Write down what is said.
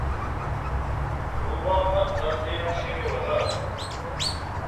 روباہ ءَ داں دیراں شیر ءِ ودار کُت